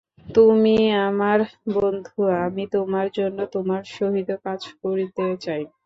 তুমি আমার বন্ধু, আমি তোমার জন্য তোমার সহিত কাজ করিতে চাই।